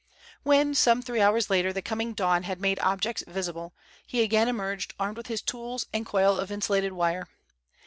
When some three hours later the coming dawn had made objects visible, he again emerged armed with his tools and coil of insulated wire.